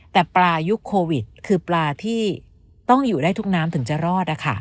แต่ปลายุคโควิดคือปลาที่ต้องอยู่ได้ทุกน้ำถึงจะรอด